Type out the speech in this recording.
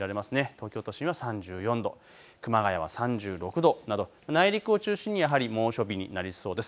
東京都心は３４度、熊谷は３６度など内陸を中心にやはり猛暑日になりそうです。